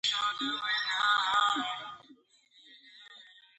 هیواد مې د غیرت علامه ده